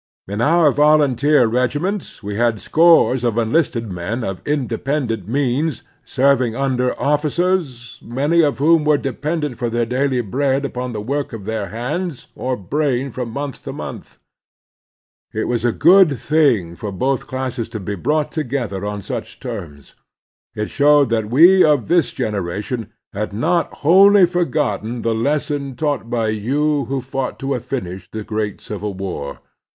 In our volunteer regiments we had scores of enlisted men of independent means serving under officers many of whom were dependent for their daily bread upon the work of their hands or brain from month to month. It was a good thing for both classes to be brought The Heroic Virtues 259 together on such terms. It showed that we of this generation had not wholly forgotten the lesson taught by you who fought to a finish the great Civil War.